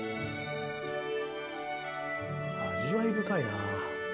味わい深いなあ。